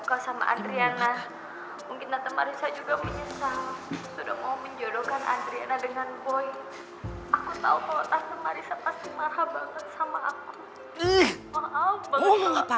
kalau ga ada kak yuk